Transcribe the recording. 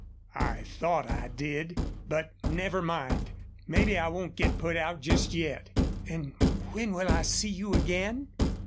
"I thought I did. But ... never mind. Maybe I won't get put out just yet. An' when will I see you again?"